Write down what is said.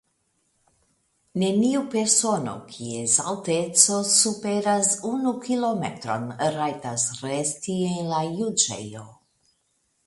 Neniu persono, kies alteco superas unu kilometron, rajtas resti en la juĝejo.